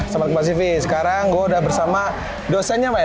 selamat kembali di sivi sekarang gue udah bersama dosennya pak ya